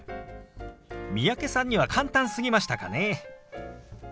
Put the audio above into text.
三宅さんには簡単すぎましたかね。